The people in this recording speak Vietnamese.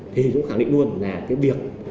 thì chúng khẳng định luôn là cái việc